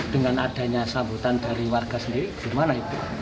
dengan adanya sambutan dari warga sendiri gimana itu